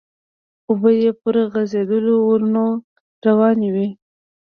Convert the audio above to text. اوبه يې پر غزيدلو ورنو روانې وې.